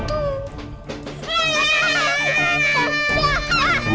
gak ada siapa siapa